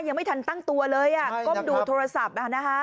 ยังไม่ทันตั้งตัวเลยก้มดูโทรศัพท์